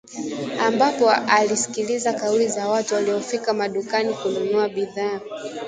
ambapo alisikiliza kauli za watu waliofika madukani kununua bidhaa